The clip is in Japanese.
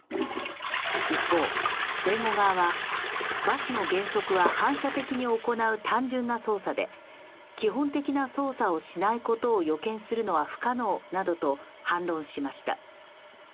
一方、弁護側はバスの減速は反射的に行う単純な操作で基本的な捜査をしないことを予見するのは不可能などと反論しました。